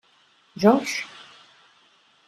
George!